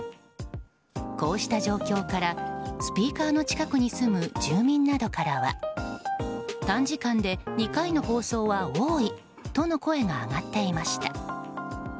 こうした状況から、スピーカーの近くに住む住民などからは短時間で２回の放送は多いとの声が上がっていました。